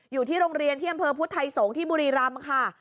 อยู่ที่โรงเรียนเที่ยงเภอพุทธไทยสงฯที่บุรีรัมพ์ค่ะ